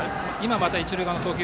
また一塁側の投球